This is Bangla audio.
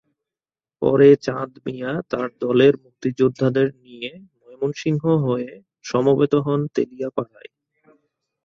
পরে চাঁদ মিয়া তার দলের মুক্তিযোদ্ধাদের নিয়ে ময়মনসিংহ হয়ে সমবেত হন তেলিয়াপাড়ায়।